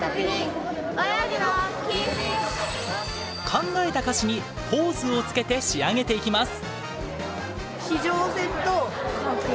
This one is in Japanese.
考えた歌詞にポーズをつけて仕上げていきます。